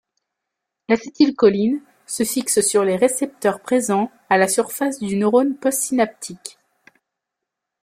L'acétylcholine se fixe sur les récepteurs présents à la surface du neurone postsynaptique.